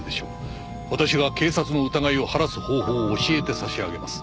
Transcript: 「私が警察の疑いを晴らす方法を教えて差し上げます」